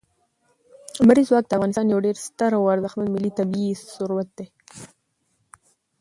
لمریز ځواک د افغانستان یو ډېر ستر او ارزښتمن ملي طبعي ثروت دی.